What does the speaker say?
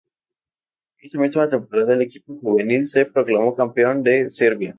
Esa misma temporada el equipo juvenil se proclamó campeón de Serbia.